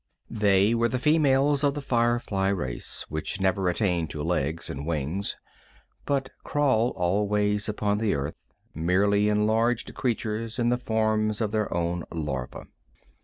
They were the females of the firefly race, which never attain to legs and wings, but crawl always upon the earth, merely enlarged creatures in the forms of their own larvæ.